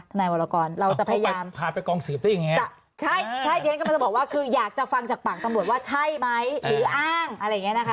นายวรกรเราจะพยายามพาไปกองสืบได้ยังไงใช่ใช่เดี๋ยวฉันกำลังจะบอกว่าคืออยากจะฟังจากปากตำรวจว่าใช่ไหมหรืออ้างอะไรอย่างเงี้นะคะ